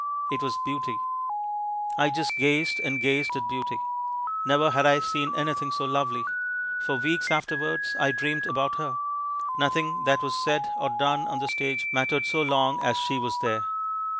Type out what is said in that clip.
It was Beauty. I just gazed and gazed at Beauty. Never had I seen anything so lovely. For weeks afterwards I dreamed about her. Nothing that was said or done on the stage mattered so long as she was there.